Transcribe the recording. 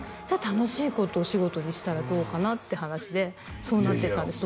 楽しいことをお仕事にしたらどうかなって話でそうなっていったんです